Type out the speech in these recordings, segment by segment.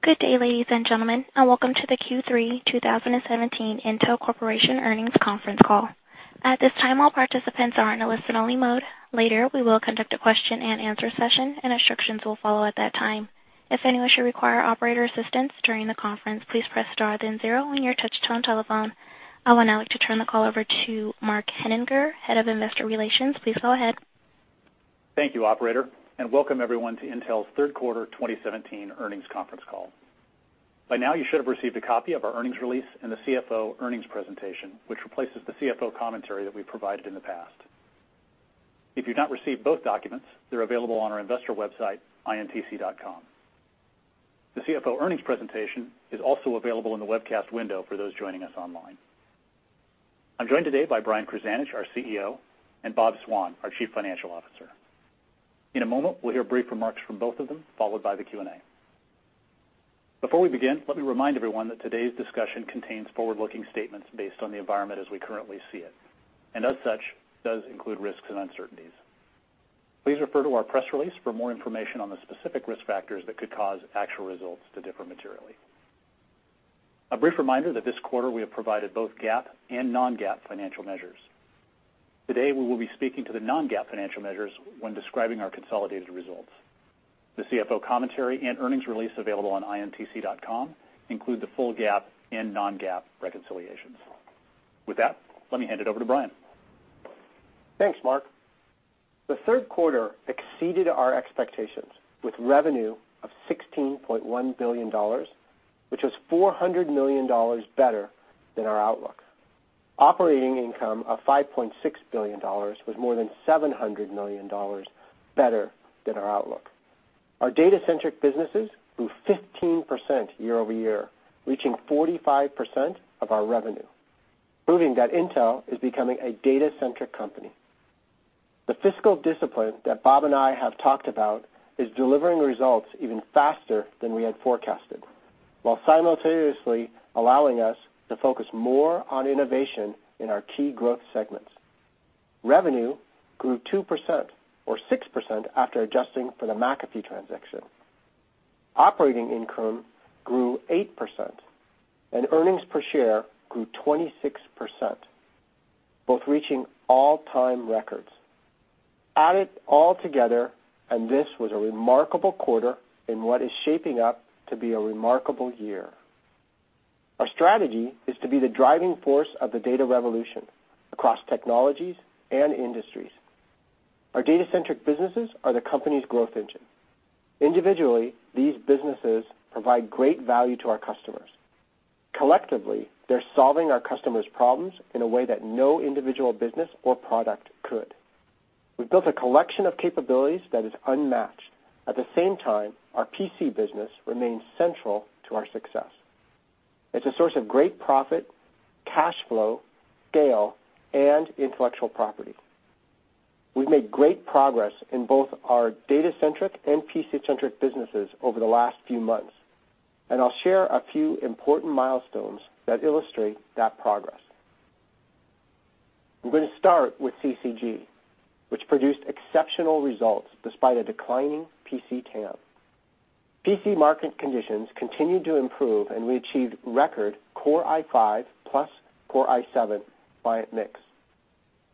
Good day, ladies and gentlemen, and welcome to the Q3 2017 Intel Corporation earnings conference call. At this time, all participants are in a listen-only mode. Later, we will conduct a question-and-answer session, and instructions will follow at that time. If anyone should require operator assistance during the conference, please press star then zero on your touch-tone telephone. I would now like to turn the call over to Mark Henninger, Head of Investor Relations. Please go ahead. Thank you, operator, and welcome everyone to Intel's third quarter 2017 earnings conference call. By now, you should have received a copy of our earnings release and the CFO earnings presentation, which replaces the CFO commentary that we've provided in the past. If you've not received both documents, they're available on our investor website, intc.com. The CFO earnings presentation is also available in the webcast window for those joining us online. I'm joined today by Brian Krzanich, our CEO, and Bob Swan, our Chief Financial Officer. In a moment, we'll hear brief remarks from both of them, followed by the Q&A. Before we begin, let me remind everyone that today's discussion contains forward-looking statements based on the environment as we currently see it, and as such, does include risks and uncertainties. Please refer to our press release for more information on the specific risk factors that could cause actual results to differ materially. A brief reminder that this quarter we have provided both GAAP and non-GAAP financial measures. Today, we will be speaking to the non-GAAP financial measures when describing our consolidated results. The CFO commentary and earnings release available on intc.com include the full GAAP and non-GAAP reconciliations. With that, let me hand it over to Brian. Thanks, Mark. The third quarter exceeded our expectations, with revenue of $16.1 billion, which was $400 million better than our outlook. Operating income of $5.6 billion was more than $700 million better than our outlook. Our data-centric businesses grew 15% year-over-year, reaching 45% of our revenue, proving that Intel is becoming a data-centric company. The fiscal discipline that Bob and I have talked about is delivering results even faster than we had forecasted, while simultaneously allowing us to focus more on innovation in our key growth segments. Revenue grew 2%, or 6% after adjusting for the McAfee transaction. Operating income grew 8%, and earnings per share grew 26%, both reaching all-time records. Add it all together, and this was a remarkable quarter in what is shaping up to be a remarkable year. Our strategy is to be the driving force of the data revolution across technologies and industries. Our data-centric businesses are the company's growth engine. Individually, these businesses provide great value to our customers. Collectively, they're solving our customers' problems in a way that no individual business or product could. We've built a collection of capabilities that is unmatched. At the same time, our PC business remains central to our success. It's a source of great profit, cash flow, scale, and intellectual property. We've made great progress in both our data-centric and PC-centric businesses over the last few months. I'll share a few important milestones that illustrate that progress. I'm going to start with CCG, which produced exceptional results despite a declining PC TAM. PC market conditions continued to improve, and we achieved record Core i5 plus Core i7 client mix.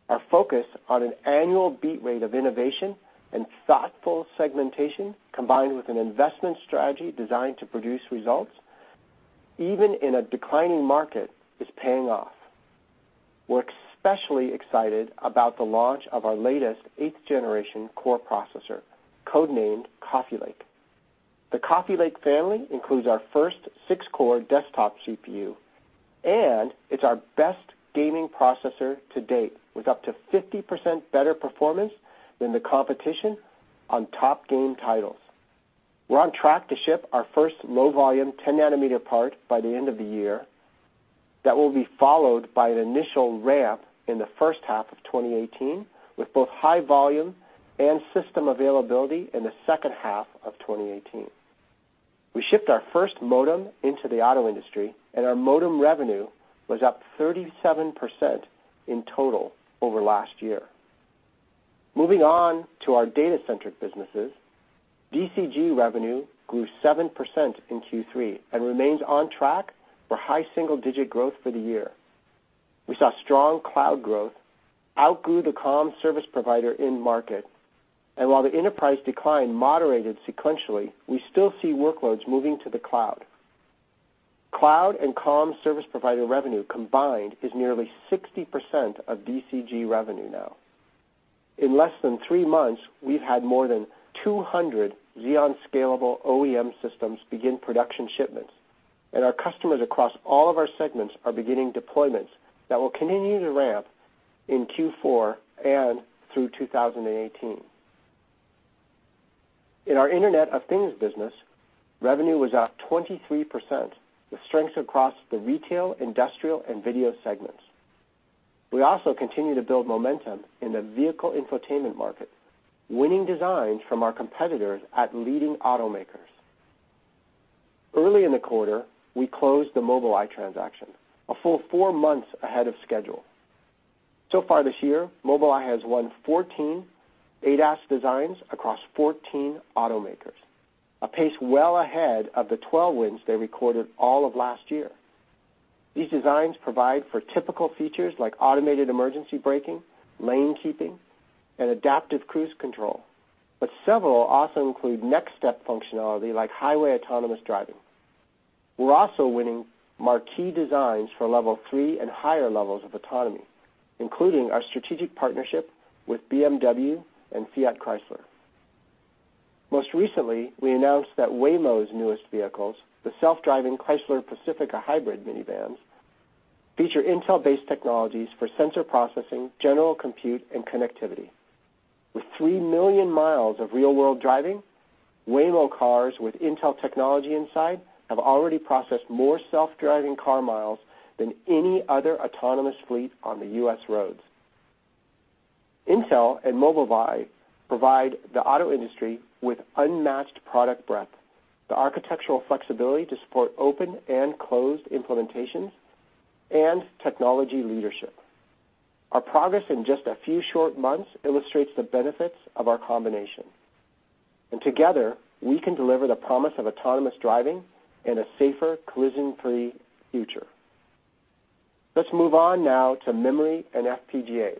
Our focus on an annual beat rate of innovation and thoughtful segmentation, combined with an investment strategy designed to produce results even in a declining market, is paying off. We're especially excited about the launch of our latest eighth generation Core processor, codenamed Coffee Lake. The Coffee Lake family includes our first six-core desktop CPU, and it's our best gaming processor to date, with up to 50% better performance than the competition on top game titles. We're on track to ship our first low-volume 10 nanometer part by the end of the year. That will be followed by an initial ramp in the first half of 2018, with both high volume and system availability in the second half of 2018. We shipped our first modem into the auto industry, and our modem revenue was up 37% in total over last year. Moving on to our data-centric businesses, DCG revenue grew 7% in Q3 and remains on track for high single-digit growth for the year. We saw strong cloud growth outgrew the comm service provider in market. While the enterprise decline moderated sequentially, we still see workloads moving to the cloud. Cloud and comm service provider revenue combined is nearly 60% of DCG revenue now. In less than three months, we've had more than 200 Xeon Scalable OEM systems begin production shipments. Our customers across all of our segments are beginning deployments that will continue to ramp in Q4 and through 2018. In our Internet of Things business, revenue was up 23%, with strengths across the retail, industrial, and video segments. We also continue to build momentum in the vehicle infotainment market, winning designs from our competitors at leading automakers. Early in the quarter, we closed the Mobileye transaction a full four months ahead of schedule. Far this year, Mobileye has won 14 ADAS designs across 14 automakers, a pace well ahead of the 12 wins they recorded all of last year. These designs provide for typical features like automated emergency braking, lane keeping, and adaptive cruise control. Several also include next-step functionality like highway autonomous driving. We're also winning marquee designs for level 3 and higher levels of autonomy, including our strategic partnership with BMW and Fiat Chrysler. Most recently, we announced that Waymo's newest vehicles, the self-driving Chrysler Pacifica hybrid minivans, feature Intel-based technologies for sensor processing, general compute, and connectivity. With three million miles of real-world driving, Waymo cars with Intel technology inside have already processed more self-driving car miles than any other autonomous fleet on the U.S. roads. Intel and Mobileye provide the auto industry with unmatched product breadth, the architectural flexibility to support open and closed implementations, and technology leadership. Our progress in just a few short months illustrates the benefits of our combination, and together we can deliver the promise of autonomous driving in a safer collision-free future. Let's move on now to memory and FPGAs.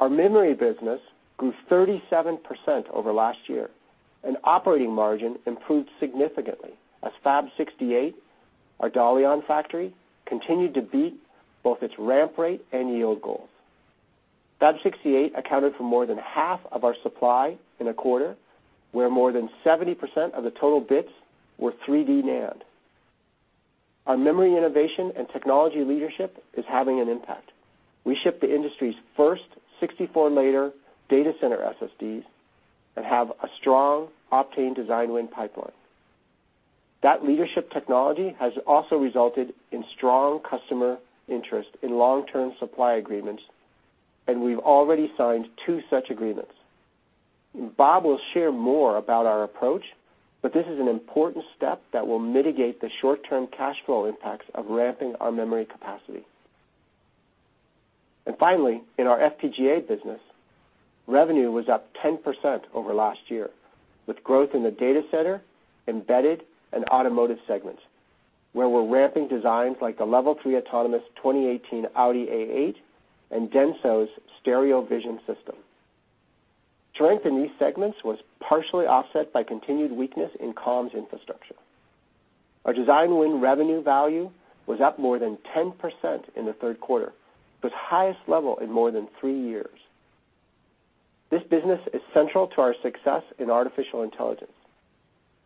Our memory business grew 37% over last year, and operating margin improved significantly as Fab 68, our Dalian factory, continued to beat both its ramp rate and yield goals. Fab 68 accounted for more than half of our supply in a quarter where more than 70% of the total bits were 3D NAND. Our memory innovation and technology leadership is having an impact. We ship the industry's first 64-layer data center SSDs and have a strong Optane design win pipeline. That leadership technology has also resulted in strong customer interest in long-term supply agreements, and we've already signed two such agreements. Bob will share more about our approach, this is an important step that will mitigate the short-term cash flow impacts of ramping our memory capacity. Finally, in our FPGA business, revenue was up 10% over last year with growth in the data center, embedded, and automotive segments where we're ramping designs like the level 3 autonomous 2018 Audi A8 and Denso's stereo vision system. Strength in these segments was partially offset by continued weakness in comms infrastructure. Our design win revenue value was up more than 10% in the third quarter. It was highest level in more than three years. This business is central to our success in artificial intelligence.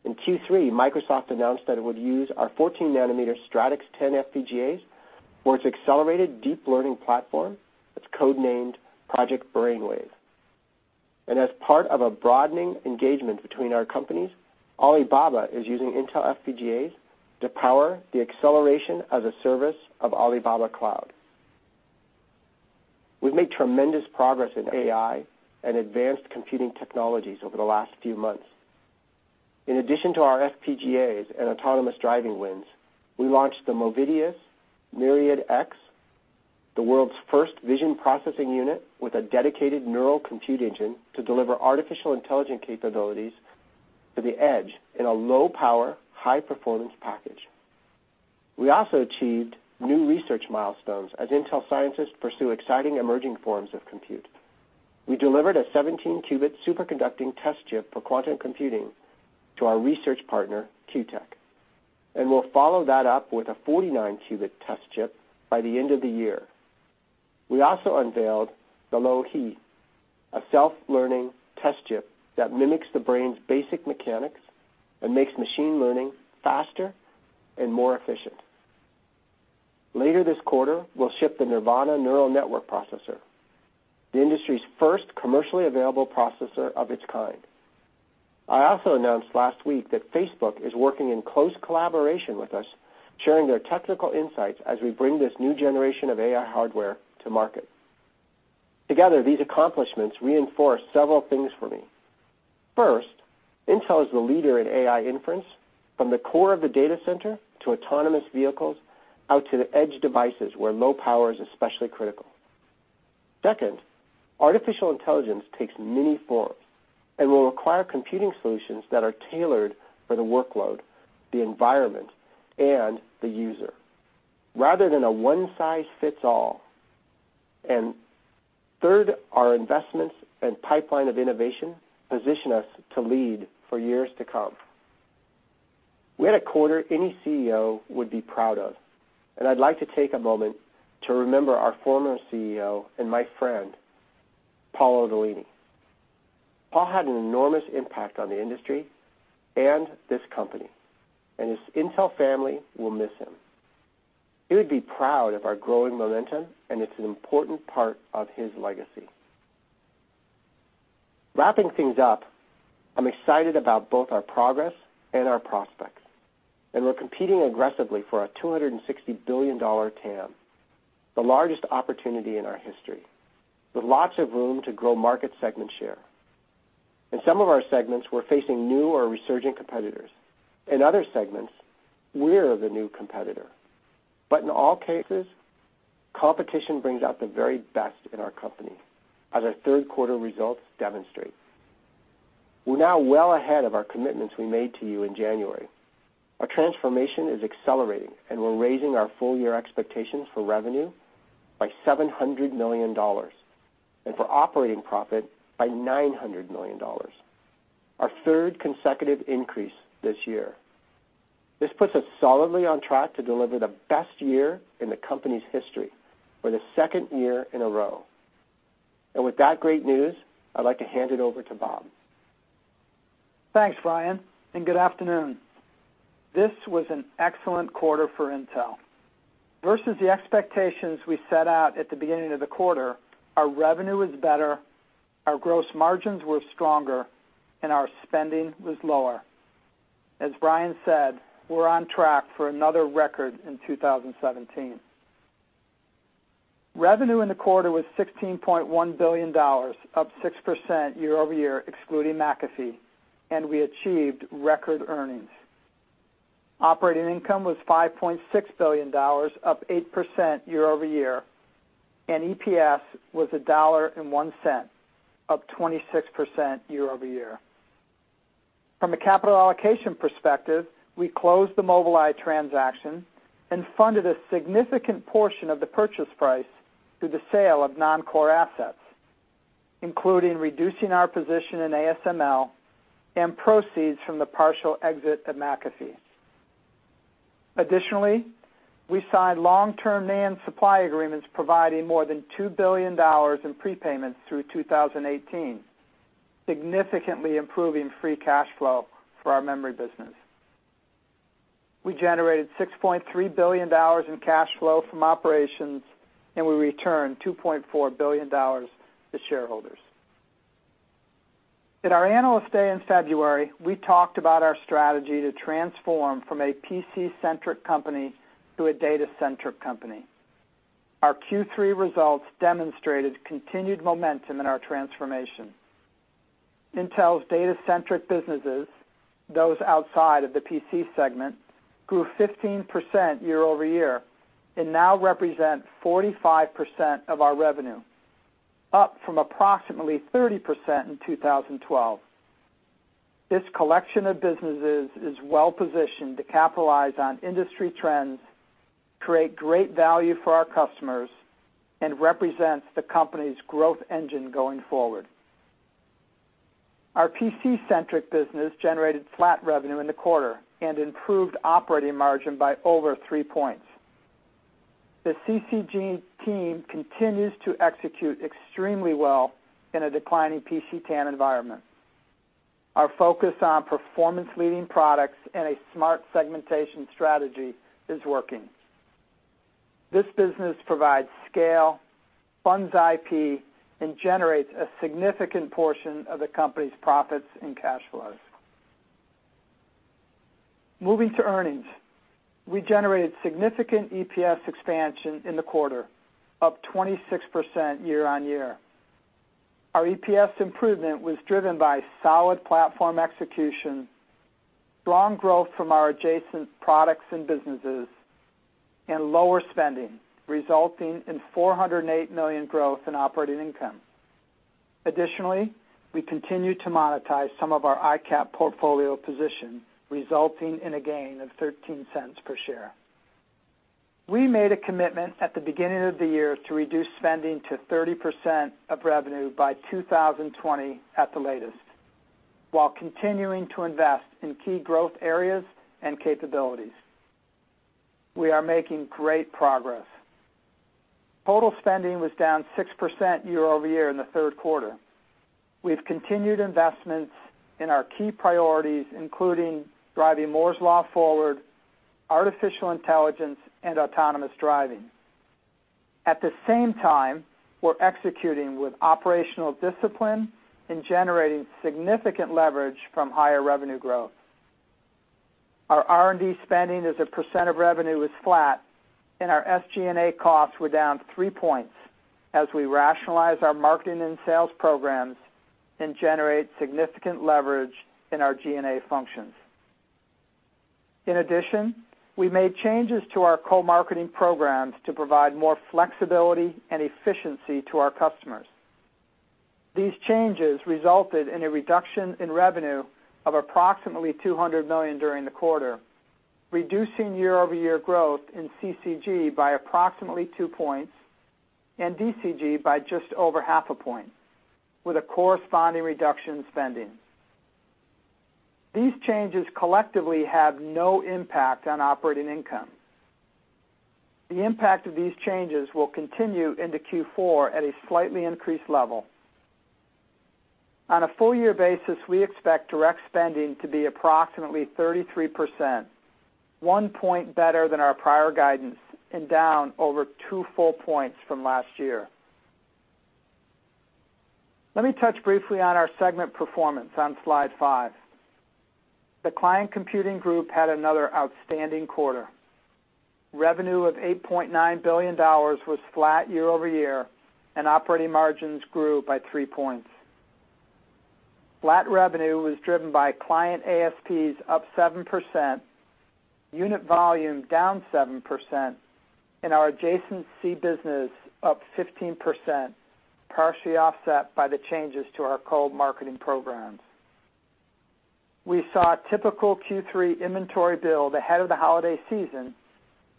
In Q3, Microsoft announced that it would use our 14-nanometer Stratix 10 FPGAs for its accelerated deep learning platform. It's codenamed Project Brainwave. As part of a broadening engagement between our companies, Alibaba is using Intel FPGAs to power the acceleration as a service of Alibaba Cloud. We've made tremendous progress in AI and advanced computing technologies over the last few months. In addition to our FPGAs and autonomous driving wins, we launched the Movidius Myriad X, the world's first vision processing unit with a dedicated neural compute engine to deliver artificial intelligence capabilities to the edge in a low-power, high-performance package. We also achieved new research milestones as Intel scientists pursue exciting emerging forms of compute. We delivered a 17-qubit superconducting test chip for quantum computing to our research partner, QuTech, and we'll follow that up with a 49-qubit test chip by the end of the year. We also unveiled the Loihi, a self-learning test chip that mimics the brain's basic mechanics and makes machine learning faster and more efficient. Later this quarter, we'll ship the Nervana neural network processor, the industry's first commercially available processor of its kind. I also announced last week that Facebook is working in close collaboration with us, sharing their technical insights as we bring this new generation of AI hardware to market. Together, these accomplishments reinforce several things for me. First, Intel is the leader in AI inference from the core of the data center to autonomous vehicles out to the edge devices where low power is especially critical. Second, artificial intelligence takes many forms and will require computing solutions that are tailored for the workload, the environment, and the user, rather than a one size fits all. Third, our investments and pipeline of innovation position us to lead for years to come. We had a quarter any CEO would be proud of, and I'd like to take a moment to remember our former CEO and my friend, Paul Otellini. Paul had an enormous impact on the industry and this company, and his Intel family will miss him. He would be proud of our growing momentum, and it's an important part of his legacy. Wrapping things up, I'm excited about both our progress and our prospects, and we're competing aggressively for a $260 billion TAM, the largest opportunity in our history, with lots of room to grow market segment share. In some of our segments, we're facing new or resurgent competitors. In other segments, we're the new competitor. In all cases, competition brings out the very best in our company, as our third quarter results demonstrate. We're now well ahead of our commitments we made to you in January. Our transformation is accelerating, and we're raising our full-year expectations for revenue by $700 million, and for operating profit by $900 million, our third consecutive increase this year. This puts us solidly on track to deliver the best year in the company's history for the second year in a row. With that great news, I'd like to hand it over to Bob. Thanks, Brian, and good afternoon. This was an excellent quarter for Intel. Versus the expectations we set out at the beginning of the quarter, our revenue was better, our gross margins were stronger, and our spending was lower. As Brian said, we're on track for another record in 2017. Revenue in the quarter was $16.1 billion, up 6% year-over-year, excluding McAfee, and we achieved record earnings. Operating income was $5.6 billion, up 8% year-over-year, and EPS was $1.01, up 26% year-over-year. From a capital allocation perspective, we closed the Mobileye transaction and funded a significant portion of the purchase price through the sale of non-core assets, including reducing our position in ASML and proceeds from the partial exit of McAfee. Additionally, we signed long-term NAND supply agreements providing more than $2 billion in prepayments through 2018, significantly improving free cash flow for our memory business. We generated $6.3 billion in cash flow from operations, and we returned $2.4 billion to shareholders. At our Analyst Day in February, we talked about our strategy to transform from a PC-centric company to a data-centric company. Our Q3 results demonstrated continued momentum in our transformation. Intel's data-centric businesses, those outside of the PC segment, grew 15% year-over-year and now represent 45% of our revenue, up from approximately 30% in 2012. This collection of businesses is well-positioned to capitalize on industry trends, create great value for our customers, and represents the company's growth engine going forward. Our PC-centric business generated flat revenue in the quarter and improved operating margin by over three points. The CCG team continues to execute extremely well in a declining PC TAM environment. Our focus on performance-leading products and a smart segmentation strategy is working. This business provides scale, funds IP, and generates a significant portion of the company's profits and cash flows. Moving to earnings, we generated significant EPS expansion in the quarter, up 26% year-on-year. Our EPS improvement was driven by solid platform execution, strong growth from our adjacent products and businesses, and lower spending, resulting in $408 million growth in operating income. Additionally, we continue to monetize some of our ICAP portfolio position, resulting in a gain of $0.13 per share. We made a commitment at the beginning of the year to reduce spending to 30% of revenue by 2020 at the latest, while continuing to invest in key growth areas and capabilities. We are making great progress. Total spending was down 6% year-over-year in the third quarter. We've continued investments in our key priorities, including driving Moore's law forward, artificial intelligence, and autonomous driving. At the same time, we're executing with operational discipline and generating significant leverage from higher revenue growth. Our R&D spending as a % of revenue was flat, and our SG&A costs were down three points as we rationalize our marketing and sales programs and generate significant leverage in our G&A functions. In addition, we made changes to our co-marketing programs to provide more flexibility and efficiency to our customers. These changes resulted in a reduction in revenue of approximately $200 million during the quarter, reducing year-over-year growth in CCG by approximately two points and DCG by just over half a point, with a corresponding reduction in spending. These changes collectively have no impact on operating income. The impact of these changes will continue into Q4 at a slightly increased level. On a full year basis, we expect direct spending to be approximately 33%, one point better than our prior guidance and down over two full points from last year. Let me touch briefly on our segment performance on slide five. The Client Computing Group had another outstanding quarter. Revenue of $8.9 billion was flat year-over-year, and operating margins grew by three points. Flat revenue was driven by client ASPs up 7%, unit volume down 7%, and our adjacency business up 15%, partially offset by the changes to our co-marketing programs. We saw a typical Q3 inventory build ahead of the holiday season,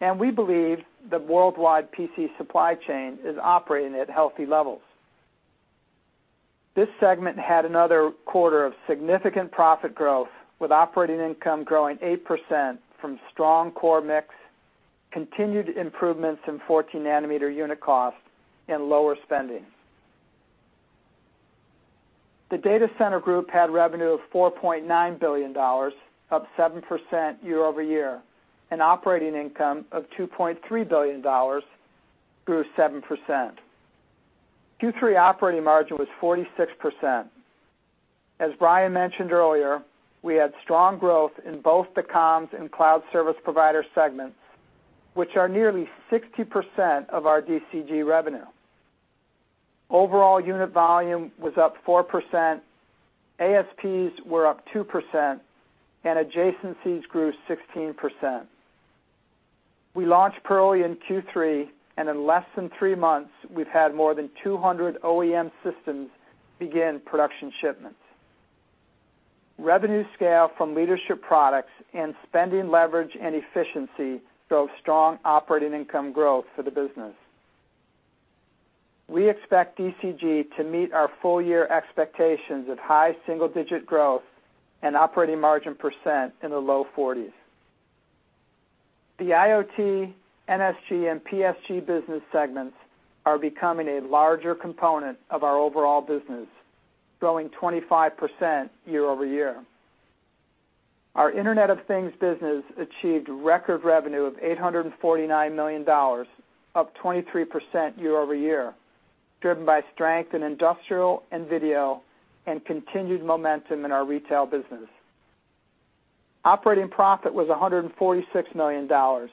and we believe the worldwide PC supply chain is operating at healthy levels. This segment had another quarter of significant profit growth, with operating income growing 8% from strong core mix, continued improvements in 14 nanometer unit costs, and lower spending. The Data Center Group had revenue of $4.9 billion, up 7% year-over-year, and operating income of $2.3 billion, grew 7%. Q3 operating margin was 46%. As Brian mentioned earlier, we had strong growth in both the comms and cloud service provider segments, which are nearly 60% of our DCG revenue. Overall unit volume was up 4%, ASPs were up 2%, and adjacencies grew 16%. We launched Purley in Q3, and in less than three months, we've had more than 200 OEM systems begin production shipments. Revenue scale from leadership products and spending leverage and efficiency drove strong operating income growth for the business. We expect DCG to meet our full-year expectations of high single-digit growth and operating margin % in the low 40s. The IOTG, NSG, and PSG business segments are becoming a larger component of our overall business, growing 25% year-over-year. Our IOTG business achieved record revenue of $849 million, up 23% year-over-year, driven by strength in industrial and video and continued momentum in our retail business. Operating profit was $146 million, down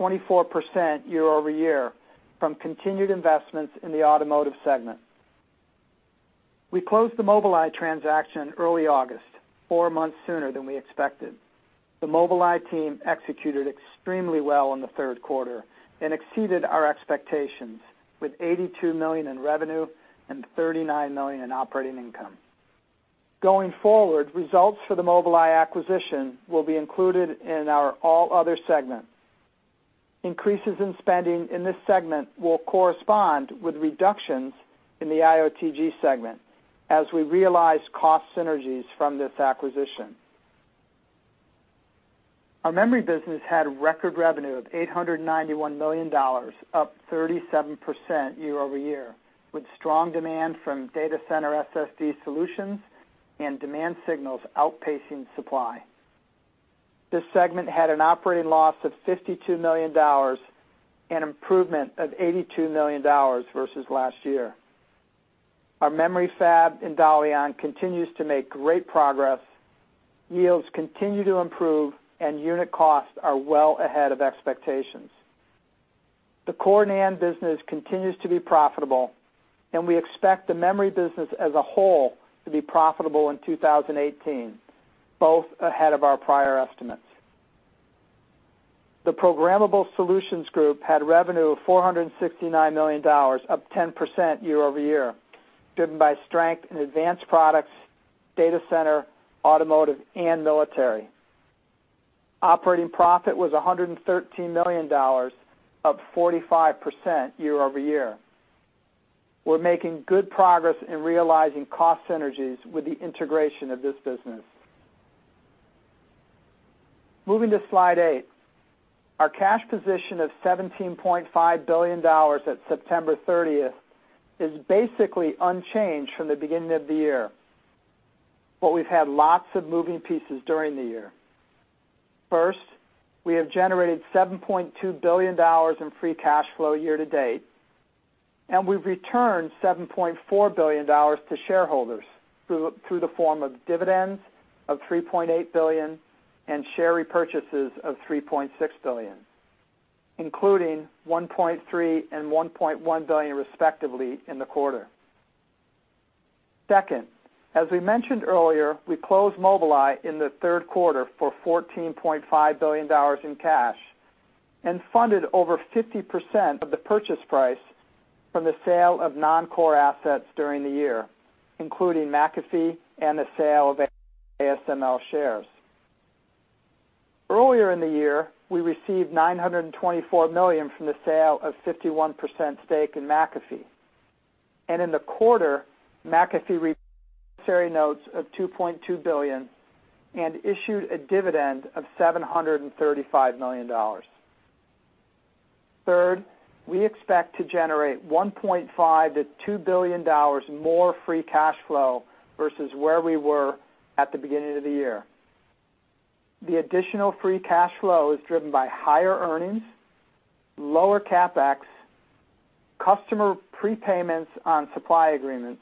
24% year-over-year, from continued investments in the automotive segment. We closed the Mobileye transaction early August, four months sooner than we expected. The Mobileye team executed extremely well in the third quarter and exceeded our expectations with $82 million in revenue and $39 million in operating income. Going forward, results for the Mobileye acquisition will be included in our all other segment. Increases in spending in this segment will correspond with reductions in the IOTG segment as we realize cost synergies from this acquisition. Our memory business had record revenue of $891 million, up 37% year-over-year, with strong demand from data center SSD solutions and demand signals outpacing supply. This segment had an operating loss of $52 million, an improvement of $82 million versus last year. Our memory fab in Dalian continues to make great progress, yields continue to improve, and unit costs are well ahead of expectations. The core NAND business continues to be profitable, and we expect the memory business as a whole to be profitable in 2018, both ahead of our prior estimates. The Programmable Solutions Group had revenue of $469 million, up 10% year-over-year, driven by strength in advanced products, data center, automotive, and military. Operating profit was $113 million, up 45% year-over-year. We're making good progress in realizing cost synergies with the integration of this business. Moving to slide eight. Our cash position of $17.5 billion at September 30th is basically unchanged from the beginning of the year. We've had lots of moving pieces during the year. First, we have generated $7.2 billion in free cash flow year-to-date. We've returned $7.4 billion to shareholders through the form of dividends of $3.8 billion and share repurchases of $3.6 billion, including $1.3 and $1.1 billion, respectively, in the quarter. Second, as we mentioned earlier, we closed Mobileye in the third quarter for $14.5 billion in cash and funded over 50% of the purchase price from the sale of non-core assets during the year, including McAfee and the sale of ASML shares. Earlier in the year, we received $924 million from the sale of 51% stake in McAfee. In the quarter, McAfee notes of $2.2 billion and issued a dividend of $735 million. Third, we expect to generate $1.5 billion-$2 billion more free cash flow versus where we were at the beginning of the year. The additional free cash flow is driven by higher earnings, lower CapEx Customer prepayments on supply agreements,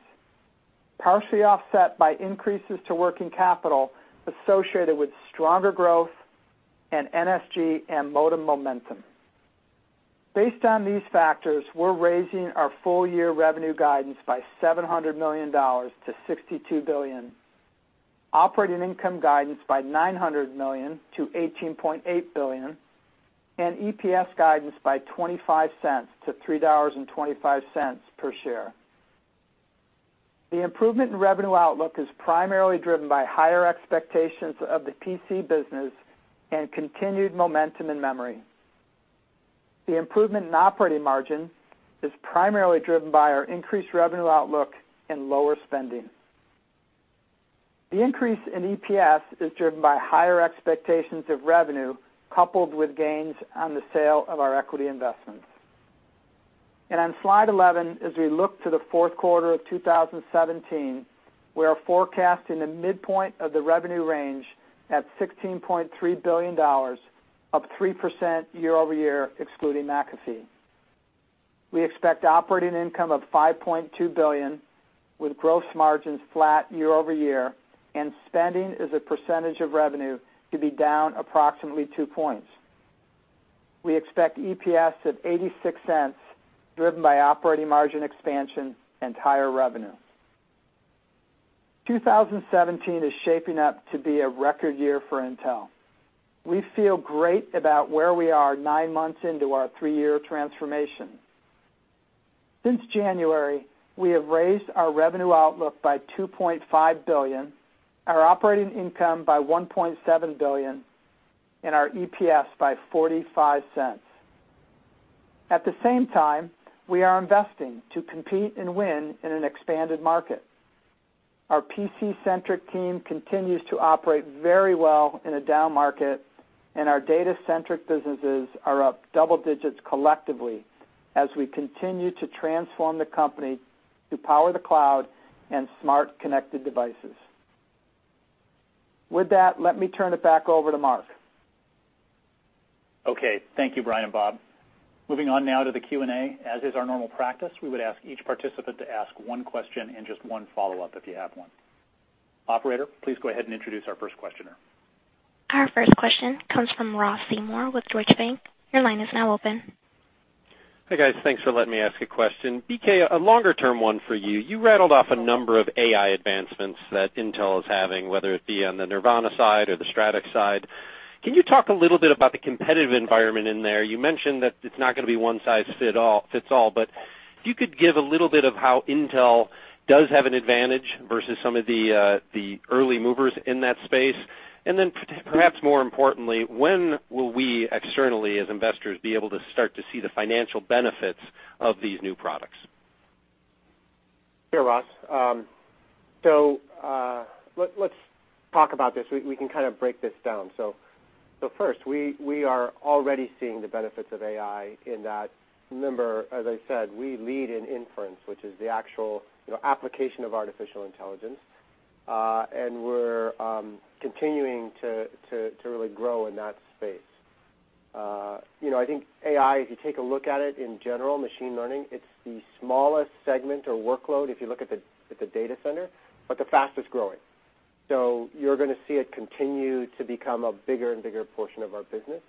partially offset by increases to working capital associated with stronger growth and NSG and modem momentum. Based on these factors, we're raising our full-year revenue guidance by $700 million to $62 billion, operating income guidance by $900 million to $18.8 billion, EPS guidance by $0.25 to $3.25 per share. The improvement in revenue outlook is primarily driven by higher expectations of the PC business and continued momentum in memory. The improvement in operating margin is primarily driven by our increased revenue outlook and lower spending. The increase in EPS is driven by higher expectations of revenue coupled with gains on the sale of our equity investments. On slide 11, as we look to the fourth quarter of 2017, we are forecasting the midpoint of the revenue range at $16.3 billion, up 3% year-over-year, excluding McAfee. We expect operating income of $5.2 billion with gross margins flat year-over-year, and spending as a percentage of revenue to be down approximately two points. We expect EPS of $0.86, driven by operating margin expansion and higher revenue. 2017 is shaping up to be a record year for Intel. We feel great about where we are nine months into our three-year transformation. Since January, we have raised our revenue outlook by $2.5 billion, our operating income by $1.7 billion, and our EPS by $0.45. At the same time, we are investing to compete and win in an expanded market. Our PC-centric team continues to operate very well in a down market, and our data-centric businesses are up double digits collectively as we continue to transform the company to power the cloud and smart connected devices. With that, let me turn it back over to Mark. Okay. Thank you, Brian and Bob. Moving on now to the Q&A. As is our normal practice, we would ask each participant to ask one question and just one follow-up if you have one. Operator, please go ahead and introduce our first questioner. Our first question comes from Ross Seymore with Deutsche Bank. Your line is now open. Hi, guys. Thanks for letting me ask a question. BK, a longer-term one for you. You rattled off a number of AI advancements that Intel is having, whether it be on the Nervana side or the Stratix side. Can you talk a little bit about the competitive environment in there? You mentioned that it's not going to be one size fits all, but if you could give a little bit of how Intel does have an advantage versus some of the early movers in that space. Perhaps more importantly, when will we externally, as investors, be able to start to see the financial benefits of these new products? Sure, Ross. Let's talk about this. We can kind of break this down. First, we are already seeing the benefits of AI in that, remember, as I said, we lead in inference, which is the actual application of artificial intelligence. We're continuing to really grow in that space. I think AI, if you take a look at it in general, machine learning, it's the smallest segment or workload if you look at the Data Center, but the fastest-growing. You're going to see it continue to become a bigger and bigger portion of our business.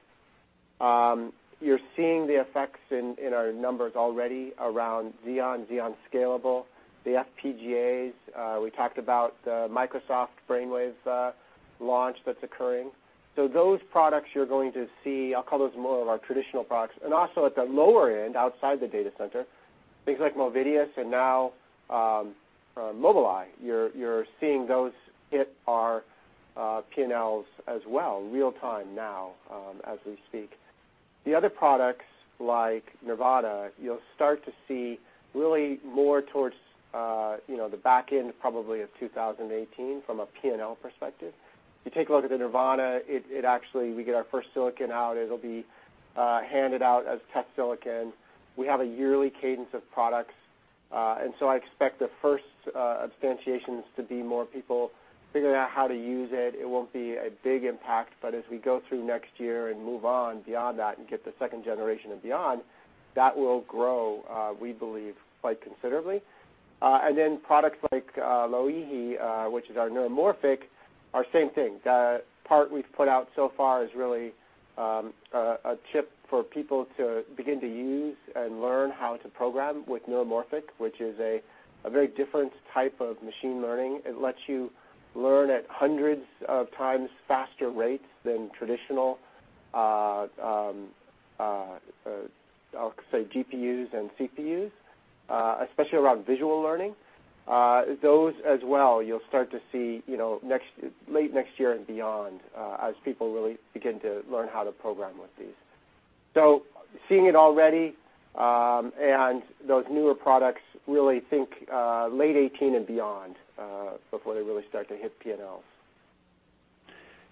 You're seeing the effects in our numbers already around Xeon Scalable, the FPGAs. We talked about the Microsoft Brainwave launch that's occurring. Those products you're going to see, I'll call those more of our traditional products. Also at the lower end, outside the Data Center, things like Movidius and now Mobileye. You're seeing those hit our P&Ls as well, real time now, as we speak. The other products like Nervana, you'll start to see really more towards the back end probably of 2018 from a P&L perspective. If you take a look at the Nervana, we get our first silicon out, it'll be handed out as test silicon. We have a yearly cadence of products. I expect the first substantiations to be more people figuring out how to use it. It won't be a big impact, but as we go through next year and move on beyond that and get the second generation and beyond, that will grow, we believe, quite considerably. Products like Loihi, which is our neuromorphic, are same thing. The part we've put out so far is really a chip for people to begin to use and learn how to program with neuromorphic, which is a very different type of machine learning. It lets you learn at hundreds of times faster rates than traditional, I'll say GPUs and CPUs, especially around visual learning. Those as well, you'll start to see late next year and beyond as people really begin to learn how to program with these. Seeing it already, and those newer products really think late '18 and beyond, before they really start to hit P&L.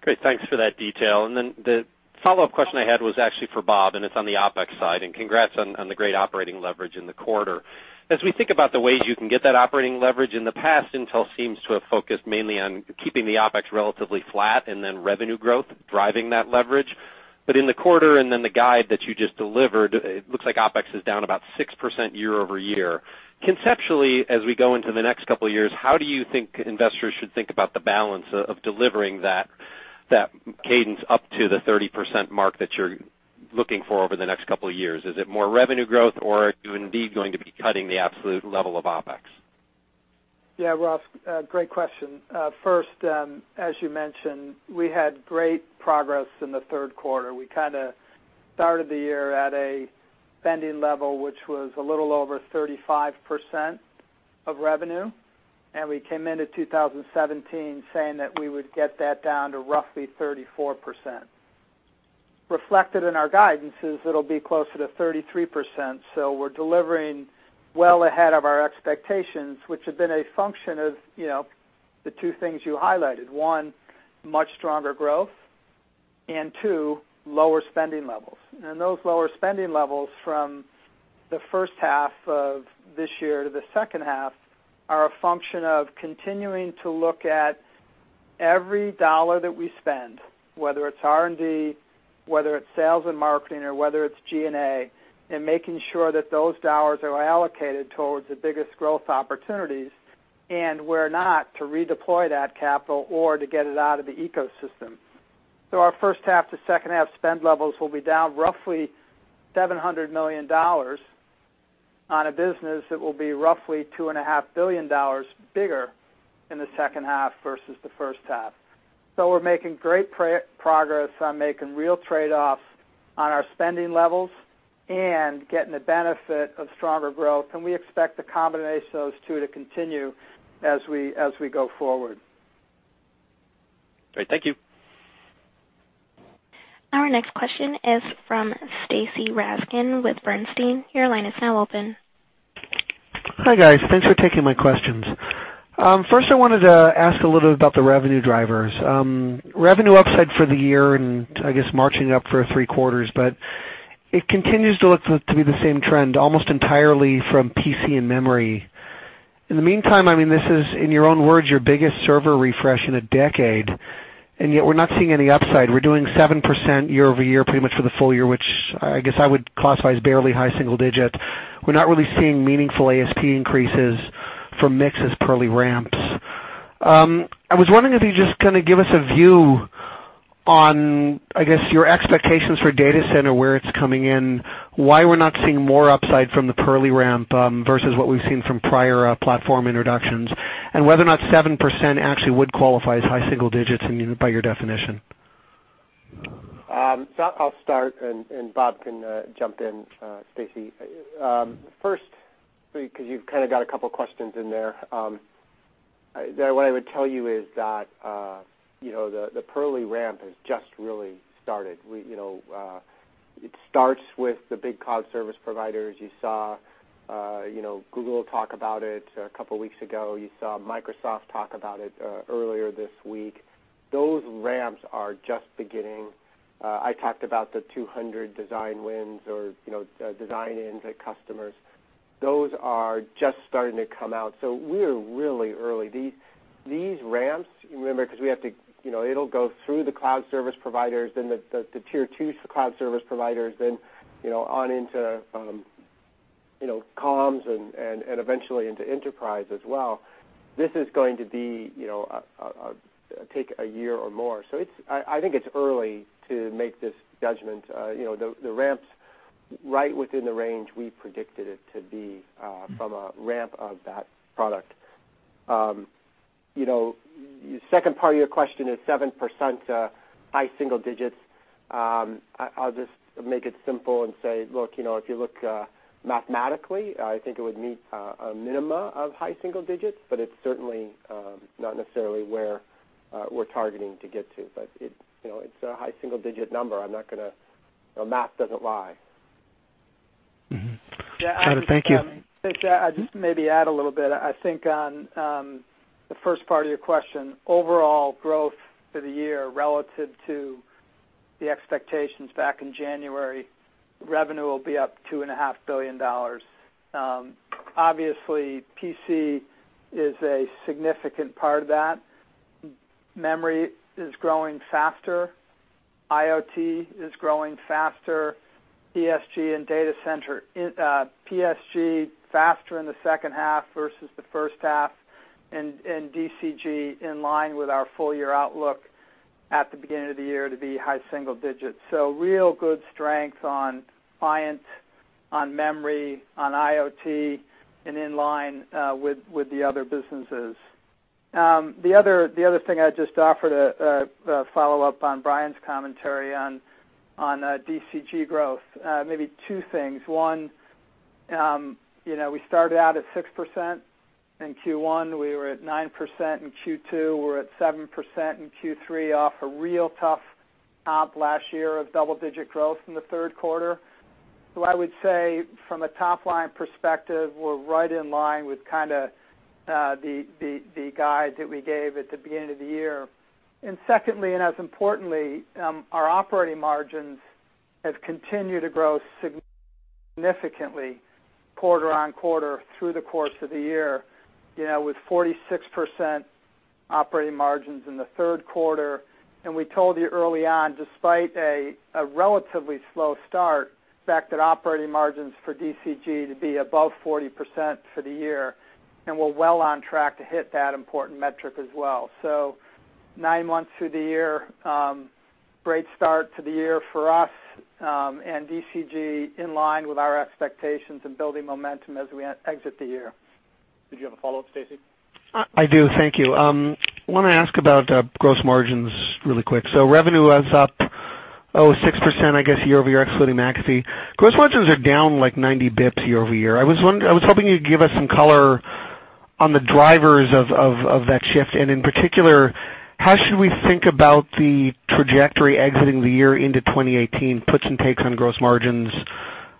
Great. Thanks for that detail. The follow-up question I had was actually for Bob Swan, and it's on the OpEx side. Congrats on the great operating leverage in the quarter. As we think about the ways you can get that operating leverage, in the past, Intel seems to have focused mainly on keeping the OpEx relatively flat, revenue growth driving that leverage. In the quarter, the guide that you just delivered, it looks like OpEx is down about 6% year-over-year. Conceptually, as we go into the next couple of years, how do you think investors should think about the balance of delivering that cadence up to the 30% mark that you're looking for over the next couple of years? Is it more revenue growth, or are you indeed going to be cutting the absolute level of OpEx? Yeah, Ross, great question. First, as you mentioned, we had great progress in the third quarter. We started the year at a spending level, which was a little over 35% of revenue, and we came into 2017 saying that we would get that down to roughly 34%. Reflected in our guidance is it'll be closer to 33%. We're delivering well ahead of our expectations, which have been a function of the two things you highlighted. One, much stronger growth, and two, lower spending levels. Those lower spending levels from the first half of this year to the second half are a function of continuing to look at every dollar that we spend, whether it's R&D, whether it's sales and marketing, or whether it's G&A, and making sure that those dollars are allocated towards the biggest growth opportunities, and where not to redeploy that capital or to get it out of the ecosystem. Our first half to second half spend levels will be down roughly $700 million on a business that will be roughly $2.5 billion bigger in the second half versus the first half. We're making great progress on making real trade-offs on our spending levels and getting the benefit of stronger growth. We expect the combination of those two to continue as we go forward. Great. Thank you. Our next question is from Stacy Rasgon with Bernstein. Your line is now open. Hi, guys. Thanks for taking my questions. First I wanted to ask a little bit about the revenue drivers. Revenue upside for the year, and I guess marching up for three quarters, but it continues to look to be the same trend, almost entirely from PC and memory. In the meantime, this is, in your own words, your biggest server refresh in a decade, and yet we're not seeing any upside. We're doing 7% year-over-year pretty much for the full year, which I guess I would classify as barely high single-digit. We're not really seeing meaningful ASP increases from mixes Purley ramps. I was wondering if you could just give us a view on, I guess, your expectations for Data Center, where it's coming in, why we're not seeing more upside from the Purley ramp, versus what we've seen from prior platform introductions, and whether or not 7% actually would qualify as high single-digits by your definition. I'll start, and Bob can jump in, Stacy. First, because you've got a couple of questions in there, what I would tell you is that the Purley ramp has just really started. It starts with the big cloud service providers. You saw Google talk about it a couple of weeks ago. You saw Microsoft talk about it earlier this week. Those ramps are just beginning. I talked about the 200 design wins or design-ins at customers. Those are just starting to come out. We are really early. These ramps, you remember, it'll go through the cloud service providers, then the tier 2 cloud service providers, then on into comms and eventually into enterprise as well. This is going to take a year or more. I think it's early to make this judgment. The ramp's right within the range we predicted it to be from a ramp of that product. Second part of your question is 7% high single digits. I'll just make it simple and say, look, if you look mathematically, I think it would meet a minimum of high single digits, but it's certainly not necessarily where we're targeting to get to. It's a high single-digit number. Math doesn't lie. Got it. Thank you. I'll just maybe add a little bit. I think on the first part of your question, overall growth for the year relative to the expectations back in January, revenue will be up $2.5 billion. Obviously, PC is a significant part of that. Memory is growing faster. IoT is growing faster. PSG and data center, PSG faster in the second half versus the first half, and DCG in line with our full-year outlook at the beginning of the year to be high single digits. Real good strength on client, on memory, on IoT, and in line with the other businesses. The other thing I'd just offer to follow up on Brian's commentary on DCG growth, maybe two things. One, we started out at 6% in Q1. We were at 9% in Q2. We're at 7% in Q3 off a real tough op last year of double-digit growth in the third quarter. I would say from a top-line perspective, we're right in line with the guide that we gave at the beginning of the year. Secondly, and as importantly, our operating margins have continued to grow significantly quarter-on-quarter through the course of the year, with 46% operating margins in the third quarter. We told you early on, despite a relatively slow start, expect that operating margins for DCG to be above 40% for the year, and we're well on track to hit that important metric as well. Nine months through the year, great start to the year for us, and DCG in line with our expectations and building momentum as we exit the year. Did you have a follow-up, Stacy? I do. Thank you. I want to ask about gross margins really quick. Revenue was up 6% year-over-year excluding McAfee. Gross margins are down like 90 basis points year-over-year. I was hoping you'd give us some color on the drivers of that shift, and in particular, how should we think about the trajectory exiting the year into 2018, puts and takes on gross margins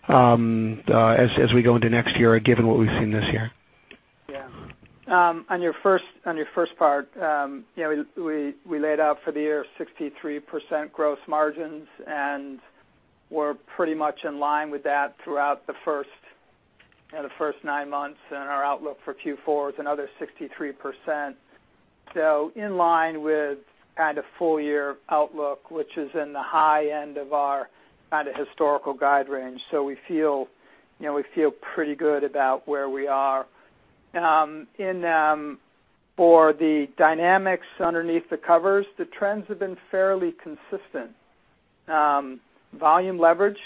as we go into next year, given what we've seen this year? Yeah. On your first part, we laid out for the year 63% gross margins, and we're pretty much in line with that throughout the first nine months, and our outlook for Q4 is another 63%. In line with kind of full-year outlook, which is in the high end of our kind of historical guide range. We feel pretty good about where we are. For the dynamics underneath the covers, the trends have been fairly consistent. Volume leverage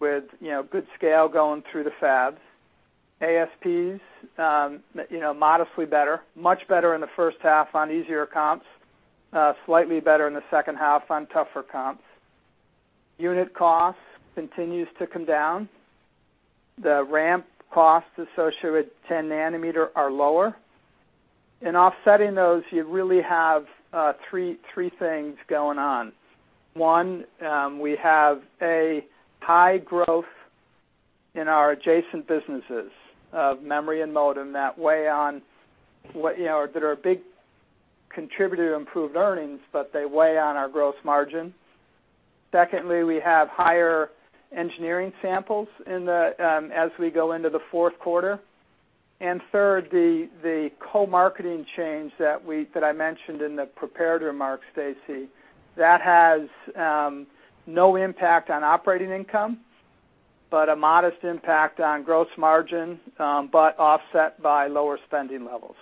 with good scale going through the fabs. ASPs modestly better, much better in the first half on easier comps, slightly better in the second half on tougher comps. Unit cost continues to come down. The ramp costs associated with 10 nanometer are lower. In offsetting those, you really have three things going on. One, we have a high growth in our adjacent businesses of memory and modem that are a big contributor to improved earnings, but they weigh on our gross margin. Secondly, we have higher engineering samples as we go into the fourth quarter. Third, the co-marketing change that I mentioned in the prepared remarks, Stacy, that has no impact on operating income, but a modest impact on gross margin, but offset by lower spending levels.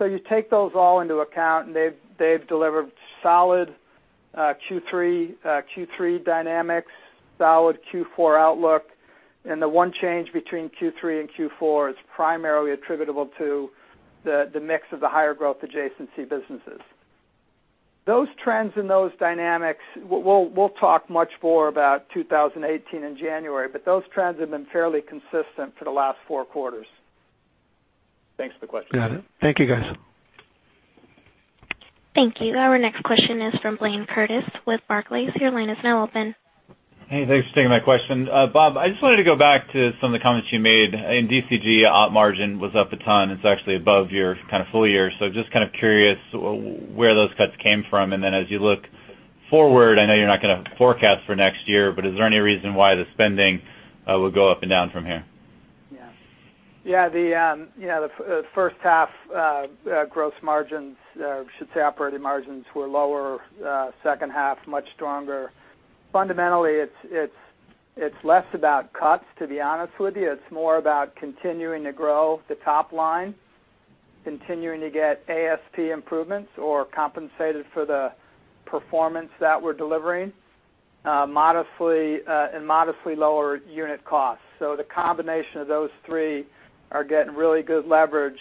You take those all into account, and they've delivered solid Q3 dynamics, solid Q4 outlook, and the one change between Q3 and Q4 is primarily attributable to the mix of the higher growth adjacency businesses. Those trends and those dynamics, we'll talk much more about 2018 in January, but those trends have been fairly consistent for the last four quarters. Thanks for the question. Got it. Thank you, guys. Thank you. Our next question is from Blayne Curtis with Barclays. Your line is now open. Hey, thanks for taking my question. Bob, I just wanted to go back to some of the comments you made. In DCG, op margin was up a ton. It's actually above your kind of full year. Just kind of curious where those cuts came from, and then as you look forward, I know you're not going to forecast for next year, but is there any reason why the spending will go up and down from here? Yeah. The first half gross margins, should say operating margins, were lower. Second half, much stronger. Fundamentally, it's less about cuts, to be honest with you. It's more about continuing to grow the top line, continuing to get ASP improvements or compensated for the performance that we're delivering, and modestly lower unit costs. The combination of those three are getting really good leverage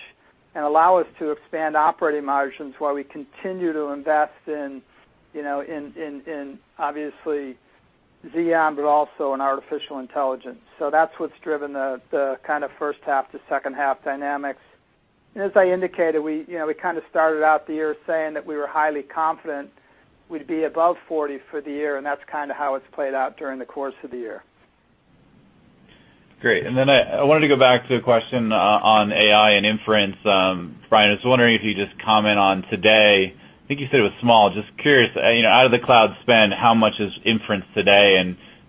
and allow us to expand operating margins while we continue to invest in, obviously, Xeon, but also in artificial intelligence. That's what's driven the kind of first half to second half dynamics. As I indicated, we kind of started out the year saying that we were highly confident we'd be above 40 for the year, and that's kind of how it's played out during the course of the year. Great. I wanted to go back to a question on AI and inference. Brian, I was wondering if you could just comment on today, I think you said it was small. Just curious, out of the cloud spend, how much is inference today?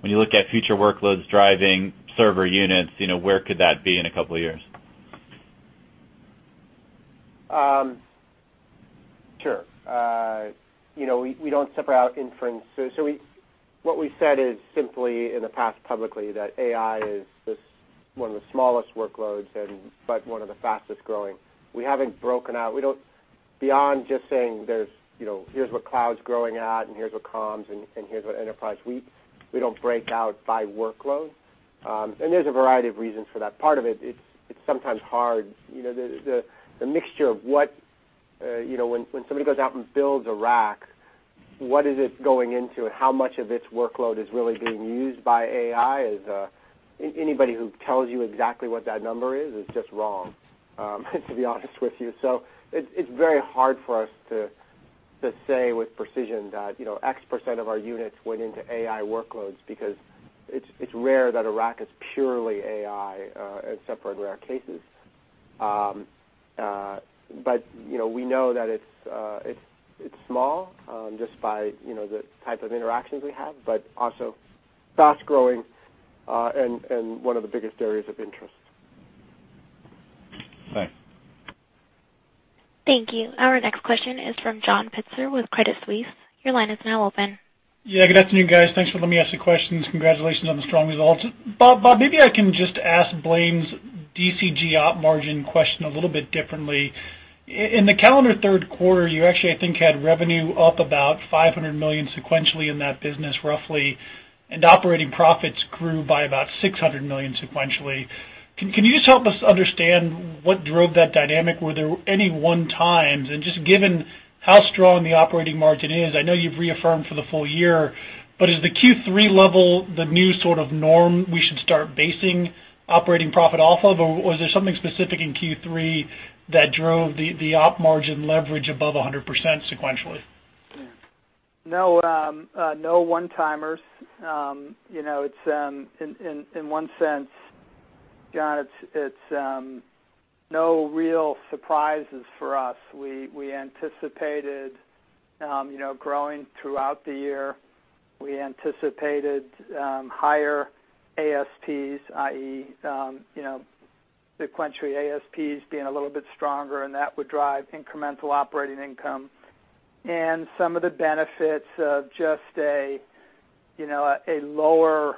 When you look at future workloads driving server units, where could that be in a couple of years? Sure. We don't separate out inference. What we said is simply, in the past, publicly, that AI is one of the smallest workloads, but one of the fastest-growing. We haven't broken out. Beyond just saying, here's what cloud's growing at and here's what comms and here's what enterprise, we don't break out by workload. There's a variety of reasons for that. Part of it's sometimes hard. The mixture of when somebody goes out and builds a rack, what is it going into and how much of its workload is really being used by AI is. Anybody who tells you exactly what that number is just wrong, to be honest with you. It's very hard for us to say with precision that X% of our units went into AI workloads because it's rare that a rack is pure except for rare cases. We know that it's small, just by the type of interactions we have, but also fast-growing, and one of the biggest areas of interest. Thanks. Thank you. Our next question is from John Pitzer with Credit Suisse. Your line is now open. Yeah, good afternoon, guys. Thanks for letting me ask the questions. Congratulations on the strong results. Bob, maybe I can just ask Blayne Curtis' DCG op margin question a little bit differently. In the calendar third quarter, you actually, I think, had revenue up about $500 million sequentially in that business, roughly, and operating profits grew by about $600 million sequentially. Can you just help us understand what drove that dynamic? Were there any one-times? Just given how strong the operating margin is, I know you've reaffirmed for the full year, but is the Q3 level the new sort of norm we should start basing operating profit off of? Or was there something specific in Q3 that drove the op margin leverage above 100% sequentially? No one-timers. In one sense, John, it's no real surprises for us. We anticipated growing throughout the year. We anticipated higher ASPs, i.e., sequentially ASPs being a little bit stronger, and that would drive incremental operating income. Some of the benefits of just a lower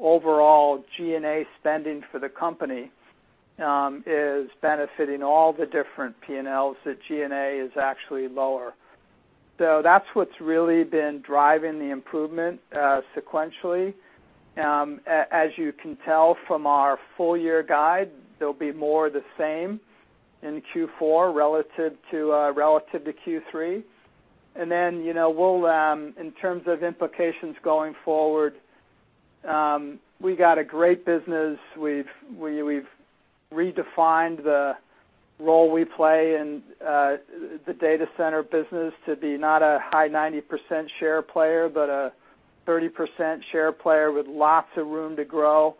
overall G&A spending for the company is benefiting all the different P&Ls. The G&A is actually lower. That's what's really been driving the improvement sequentially. As you can tell from our full-year guide, there'll be more of the same in Q4 relative to Q3. In terms of implications going forward, we got a great business. We've redefined the role we play in the data center business to be not a high 90% share player, but a 30% share player with lots of room to grow.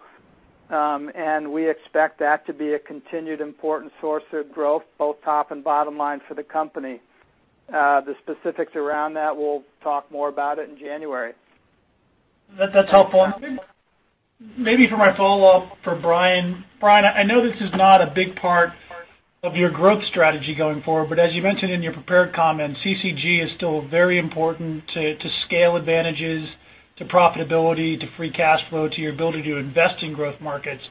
We expect that to be a continued important source of growth, both top and bottom line for the company. The specifics around that, we'll talk more about it in January. That's helpful. Maybe for my follow-up for Brian. Brian, I know this is not a big part of your growth strategy going forward, but as you mentioned in your prepared comments, CCG is still very important to scale advantages, to profitability, to free cash flow, to your ability to invest in growth markets.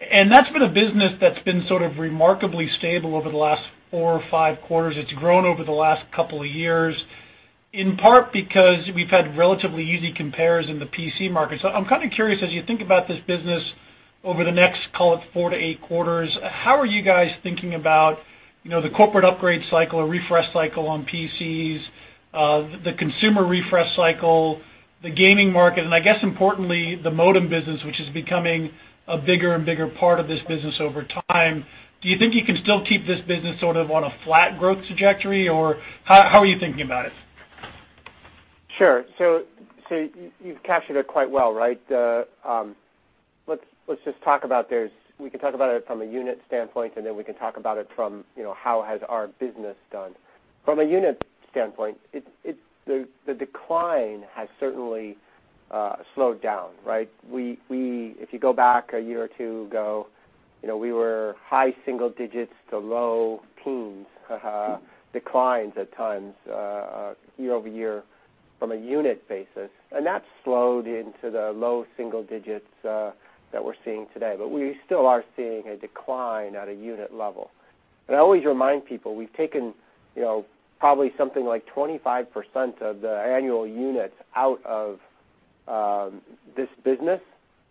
That's been a business that's been sort of remarkably stable over the last 4 or 5 quarters. It's grown over the last couple of years, in part because we've had relatively easy compares in the PC market. I'm kind of curious, as you think about this business over the next, call it, 4 to 8 quarters, how are you guys thinking about the corporate upgrade cycle, a refresh cycle on PCs, the consumer refresh cycle, the gaming market, and I guess importantly, the modem business, which is becoming a bigger and bigger part of this business over time. Do you think you can still keep this business sort of on a flat growth trajectory, or how are you thinking about it? Sure. You've captured it quite well, right? We can talk about it from a unit standpoint, and then we can talk about it from how has our business done. From a unit standpoint, the decline has certainly slowed down, right? If you go back a year or 2 ago, we were high single digits to low teens declines at times year-over-year from a unit basis, and that's slowed into the low single digits that we're seeing today. We still are seeing a decline at a unit level. I always remind people, we've taken probably something like 25% of the annual units out of this business,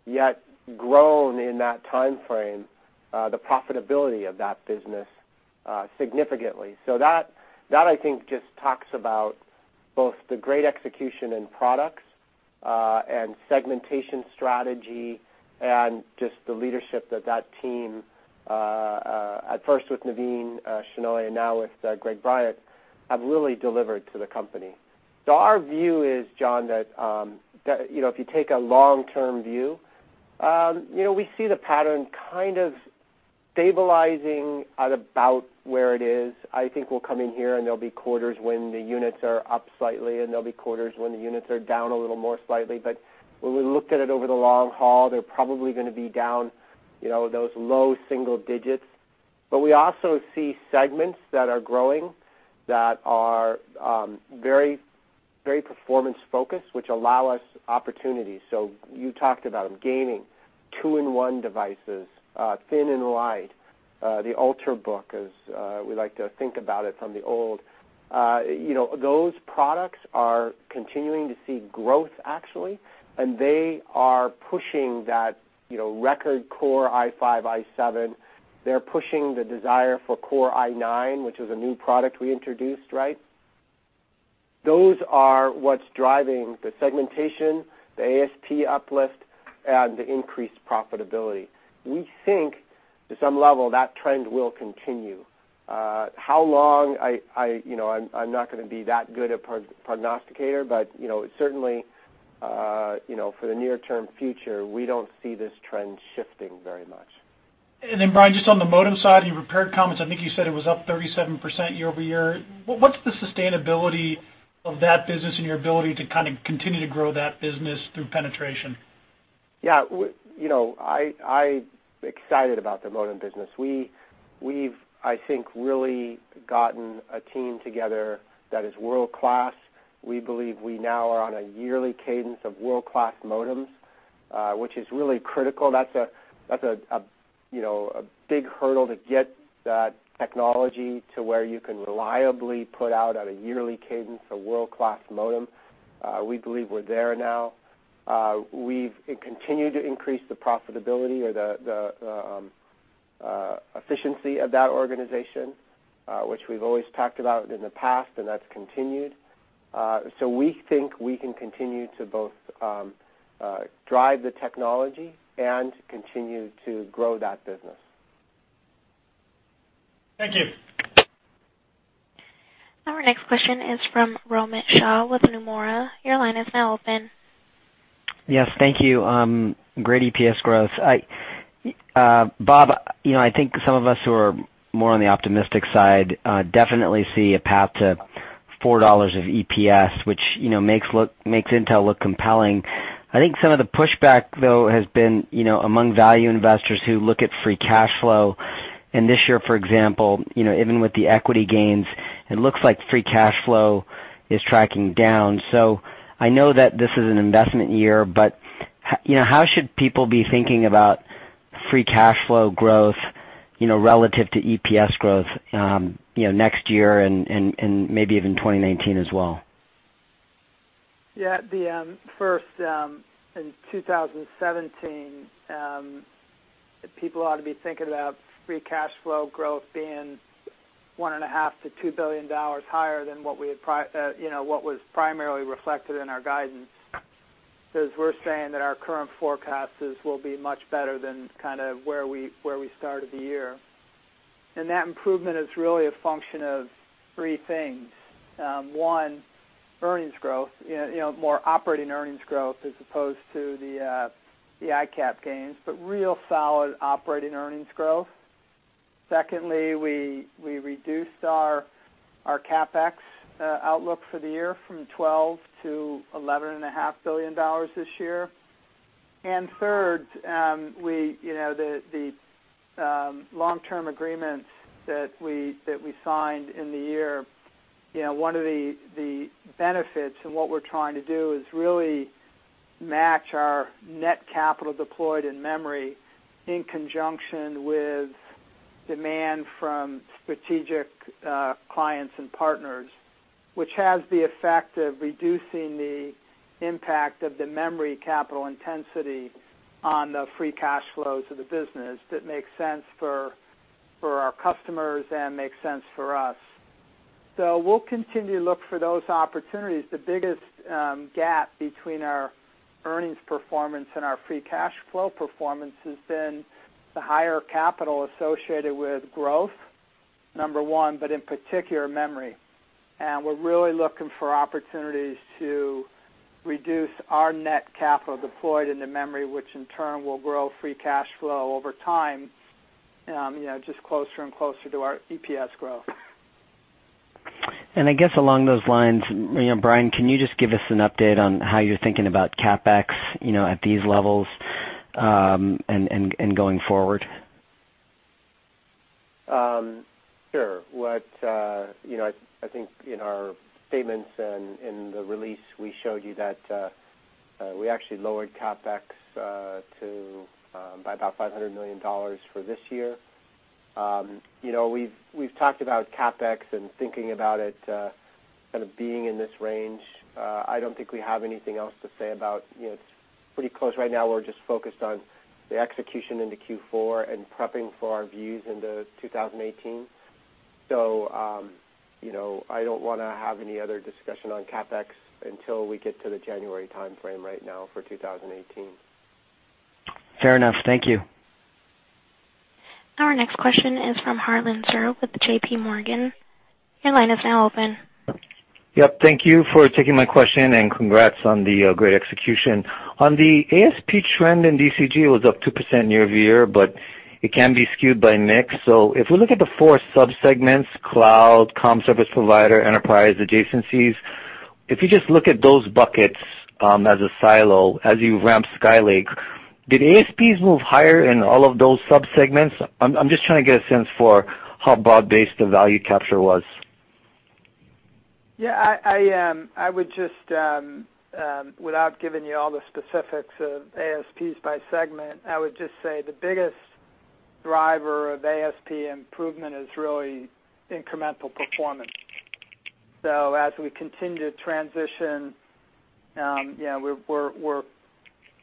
yet grown in that timeframe the profitability of that business significantly. That I think just talks about both the great execution in products, and segmentation strategy, and just the leadership that that team, at first with Navin Shenoy and now with Gregory Bryant, have really delivered to the company. Our view is, John, that if you take a long-term view, we see the pattern kind of stabilizing at about where it is. I think we'll come in here, and there'll be quarters when the units are up slightly, and there'll be quarters when the units are down a little more slightly. When we look at it over the long haul, they're probably going to be down those low single digits. We also see segments that are growing that are very performance-focused, which allow us opportunities. You talked about gaining 2-in-1 devices, thin and light, the ultrabook, as we like to think about it from the old. Those products are continuing to see growth, actually, and they are pushing that record Core i5, i7. They're pushing the desire for Core i9, which is a new product we introduced, right? Those are what's driving the segmentation, the ASP uplift, and the increased profitability. To some level, that trend will continue. How long? I'm not going to be that good a prognosticator, certainly, for the near-term future, we don't see this trend shifting very much. Brian, just on the modem side, in your prepared comments, I think you said it was up 37% year-over-year. What's the sustainability of that business and your ability to kind of continue to grow that business through penetration? Yeah. I'm excited about the modem business. We've, I think, really gotten a team together that is world-class. We believe we now are on a yearly cadence of world-class modems, which is really critical. That's a big hurdle to get that technology to where you can reliably put out, on a yearly cadence, a world-class modem. We believe we're there now. We've continued to increase the profitability or the efficiency of that organization, which we've always talked about in the past, and that's continued. We think we can continue to both drive the technology and continue to grow that business. Thank you. Our next question is from Romit Shah with Nomura. Your line is now open. Yes. Thank you. Great EPS growth. Bob, I think some of us who are more on the optimistic side definitely see a path to $4 of EPS, which makes Intel look compelling. I think some of the pushback, though, has been among value investors who look at free cash flow. This year, for example, even with the equity gains, it looks like free cash flow is tracking down. I know that this is an investment year, but how should people be thinking about free cash flow growth relative to EPS growth next year and maybe even 2019 as well? Yeah. In 2017, people ought to be thinking about free cash flow growth being $1.5 billion-$2 billion higher than what was primarily reflected in our guidance. We're saying that our current forecasts will be much better than where we started the year. That improvement is really a function of three things. One, earnings growth, more operating earnings growth as opposed to the ICAP gains, but real solid operating earnings growth. Secondly, we reduced our CapEx outlook for the year from $12 billion-$11.5 billion this year. Third, the long-term agreements that we signed in the year. One of the benefits, and what we're trying to do, is really match our net capital deployed in memory in conjunction with demand from strategic clients and partners, which has the effect of reducing the impact of the memory capital intensity on the free cash flows of the business that makes sense for our customers and makes sense for us. We'll continue to look for those opportunities. The biggest gap between our earnings performance and our free cash flow performance has been the higher capital associated with growth, number one, but in particular, memory. We're really looking for opportunities to reduce our net capital deployed into memory, which in turn will grow free cash flow over time, just closer and closer to our EPS growth. I guess along those lines, Brian, can you just give us an update on how you're thinking about CapEx at these levels and going forward? Sure. I think in our statements and in the release, we showed you that we actually lowered CapEx by about $500 million for this year. We've talked about CapEx and thinking about it kind of being in this range. I don't think we have anything else to say about it. It's pretty close right now. We're just focused on the execution into Q4 and prepping for our views into 2018. I don't want to have any other discussion on CapEx until we get to the January timeframe right now for 2018. Fair enough. Thank you. Our next question is from Harlan Sur with J.P. Morgan. Your line is now open. Yep. Thank you for taking my question, congrats on the great execution. On the ASP trend in DCG, it was up 2% year-over-year, it can be skewed by mix. If we look at the four sub-segments, cloud, comm service provider, enterprise, adjacencies, if you just look at those buckets as a silo, as you ramp Skylake, did ASPs move higher in all of those sub-segments? I'm just trying to get a sense for how broad-based the value capture was. Without giving you all the specifics of ASPs by segment, I would just say the biggest driver of ASP improvement is really incremental performance. As we continue to transition, we're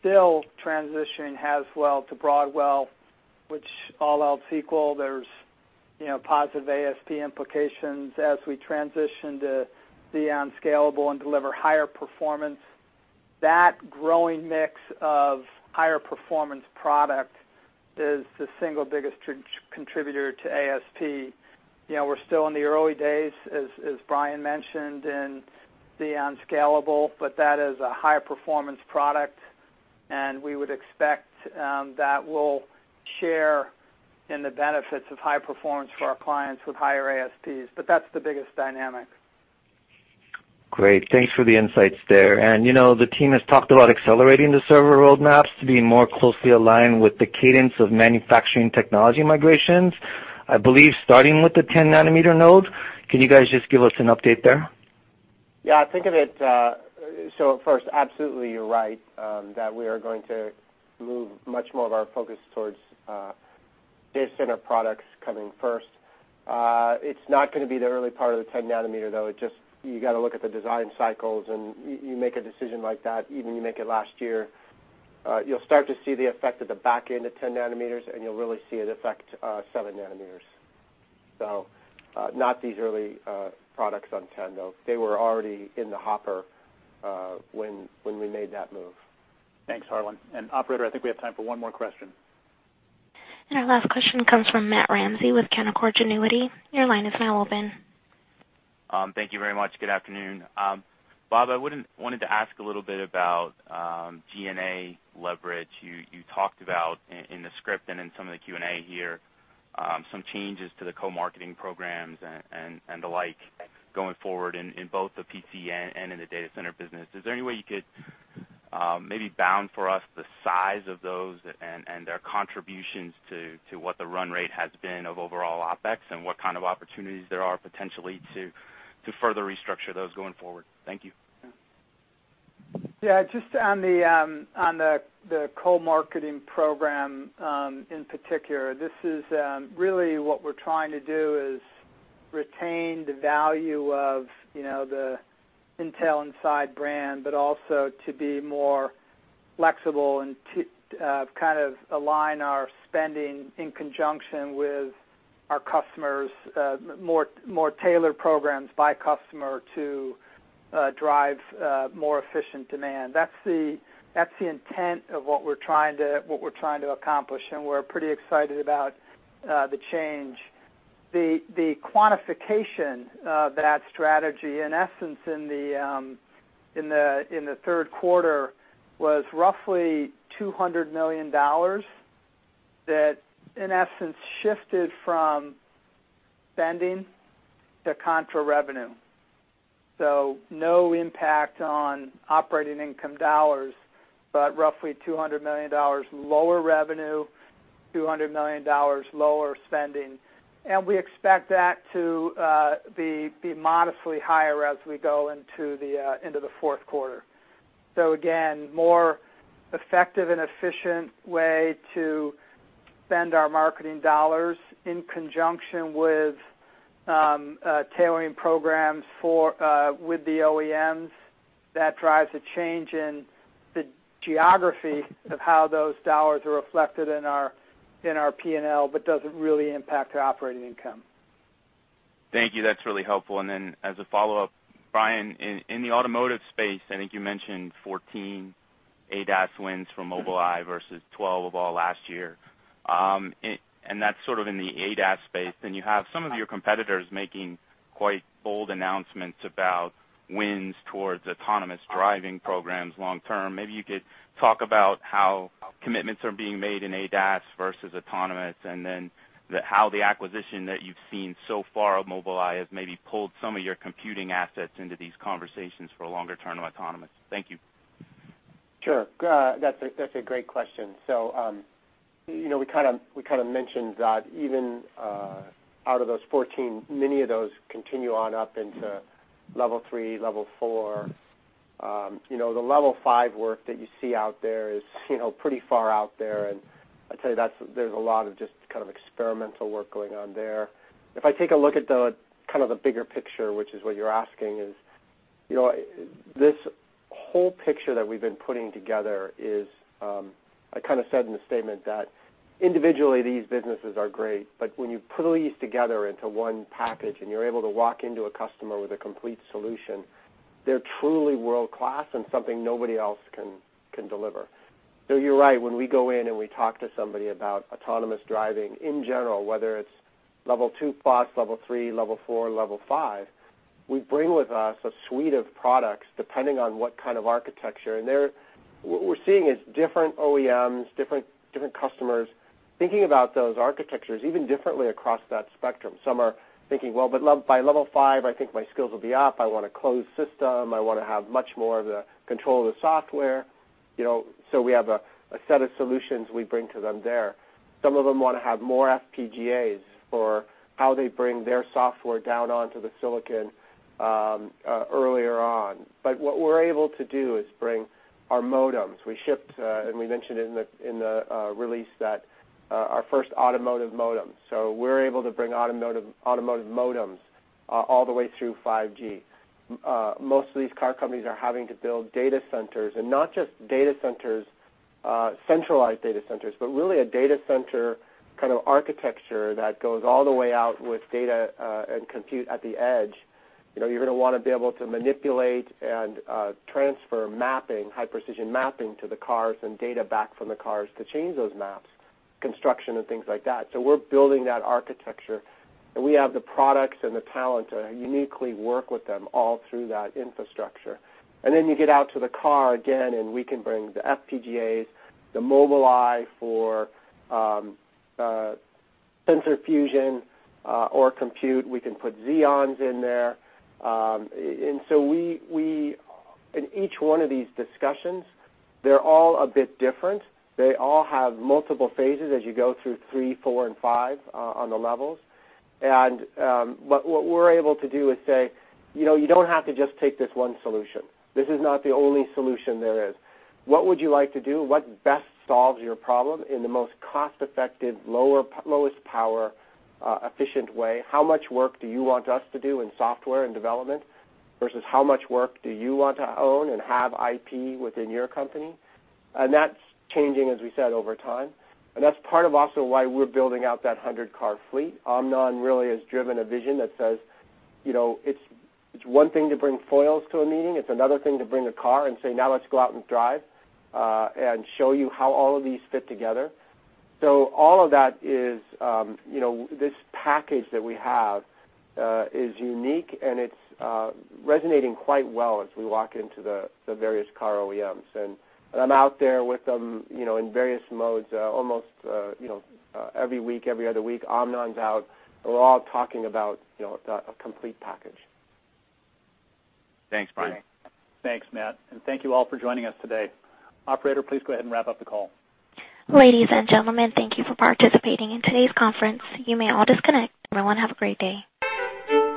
still transitioning Haswell to Broadwell, which all else equal, there's positive ASP implications as we transition to Xeon Scalable and deliver higher performance. That growing mix of higher performance product is the single biggest contributor to ASP. We're still in the early days, as Brian mentioned, in the Xeon Scalable, but that is a higher performance product, and we would expect that we'll share in the benefits of high performance for our clients with higher ASPs. That's the biggest dynamic. Great. Thanks for the insights there. The team has talked about accelerating the server roadmaps to be more closely aligned with the cadence of manufacturing technology migrations, I believe, starting with the 10 nanometer node. Can you guys just give us an update there? First, absolutely you're right, that we are going to move much more of our focus towards data center products coming first. It's not going to be the early part of the 10 nanometer, though. You got to look at the design cycles, you make a decision like that, even you make it last year. You'll start to see the effect at the back end of 10 nanometer, you'll really see it affect seven nanometers. Not these early products on 10 nanometer, though. They were already in the hopper, when we made that move. Thanks, Harlan. Operator, I think we have time for one more question. Our last question comes from Matt Ramsay with Canaccord Genuity. Your line is now open. Thank you very much. Good afternoon. Bob, I wanted to ask a little bit about G&A leverage. You talked about in the script and in some of the Q&A here, some changes to the co-marketing programs and the like going forward in both the PC and in the data center business. Is there any way you could maybe bound for us the size of those and their contributions to what the run rate has been of overall OpEx and what kind of opportunities there are potentially to further restructure those going forward? Thank you. Just on the co-marketing program, in particular, this is really what we're trying to do is retain the value of the Intel Inside brand, but also to be more flexible and align our spending in conjunction with our customers, more tailored programs by customer to drive more efficient demand. That's the intent of what we're trying to accomplish, and we're pretty excited about the change. The quantification of that strategy, in essence, in the third quarter, was roughly $200 million that, in essence, shifted from spending to contra revenue. No impact on operating income dollars, but roughly $200 million lower revenue, $200 million lower spending. We expect that to be modestly higher as we go into the fourth quarter. Again, more effective and efficient way to spend our marketing dollars in conjunction with tailoring programs with the OEMs. That drives a change in the geography of how those dollars are reflected in our P&L, but doesn't really impact our operating income. Thank you. That's really helpful. As a follow-up, Brian, in the automotive space, I think you mentioned 14 ADAS wins for Mobileye versus 12 of all last year. That's sort of in the ADAS space. Then you have some of your competitors making quite bold announcements about wins towards autonomous driving programs long term. Maybe you could talk about how commitments are being made in ADAS versus autonomous, and then how the acquisition that you've seen so far of Mobileye has maybe pulled some of your computing assets into these conversations for a longer term of autonomous. Thank you. Sure. That's a great question. We kind of mentioned that even out of those 14, many of those continue on up into level 3, level 4. The level 5 work that you see out there is pretty far out there, and I'd say there's a lot of just experimental work going on there. If I take a look at the bigger picture, which is what you're asking is. I kind of said in the statement that individually, these businesses are great, when you put all these together into one package and you're able to walk into a customer with a complete solution, they're truly world-class and something nobody else can deliver. You're right. When we go in and we talk to somebody about autonomous driving, in general, whether it's level 2 plus, level 3, level 4, level 5, we bring with us a suite of products depending on what kind of architecture. What we're seeing is different OEMs, different customers, thinking about those architectures even differently across that spectrum. Some are thinking, "By level 5, I think my skills will be up. I want a closed system. I want to have much more of the control of the software." We have a set of solutions we bring to them there. Some of them want to have more FPGAs for how they bring their software down onto the silicon earlier on. What we're able to do is bring our modems. We shipped, and we mentioned it in the release that our first automotive modem. We're able to bring automotive modems all the way through 5G. Most of these car companies are having to build data centers, and not just data centers, centralized data centers, but really a data center kind of architecture that goes all the way out with data and compute at the edge. You're going to want to be able to manipulate and transfer high precision mapping to the cars and data back from the cars to change those maps, construction, and things like that. We're building that architecture, and we have the products and the talent to uniquely work with them all through that infrastructure. Then you get out to the car again, and we can bring the FPGAs, the Mobileye for sensor fusion or compute. We can put Xeons in there. In each one of these discussions, they're all a bit different. They all have multiple phases as you go through level 3, 4, and 5 on the levels. What we're able to do is say, "You don't have to just take this one solution. This is not the only solution there is. What would you like to do? What best solves your problem in the most cost-effective, lowest power, efficient way? How much work do you want us to do in software and development versus how much work do you want to own and have IP within your company?" That's changing, as we said, over time. That's part of also why we're building out that 100-car fleet. Amnon really has driven a vision that says, "It's one thing to bring foils to a meeting. It's another thing to bring a car and say, 'Now let's go out and drive,' and show you how all of these fit together." All of that is this package that we have is unique, and it's resonating quite well as we walk into the various car OEMs. I'm out there with them in various modes almost every week, every other week. Amnon's out, and we're all talking about a complete package. Thanks, Brian. Great. Thanks, Matt, and thank you all for joining us today. Operator, please go ahead and wrap up the call. Ladies and gentlemen, thank you for participating in today's conference. You may all disconnect. Everyone, have a great day.